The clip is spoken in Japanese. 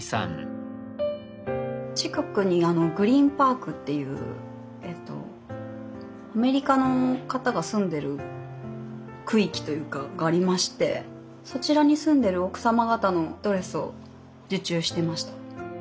近くにグリーンパークっていうアメリカの方が住んでる区域というかがありましてそちらに住んでる奥様方のドレスを受注してました。